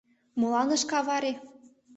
Молан ыш каваре?..